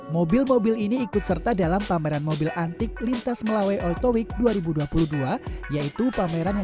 mobil mobil ini ikut serta dalam pameran mobil antik lintas melawe auto week dua ribu dua puluh dua yaitu pameran yang